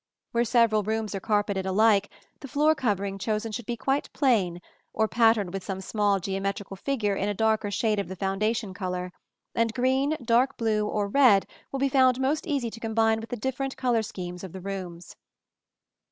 Where several rooms are carpeted alike, the floor covering chosen should be quite plain, or patterned with some small geometrical figure in a darker shade of the foundation color; and green, dark blue or red will be found most easy to combine with the different color schemes of the rooms.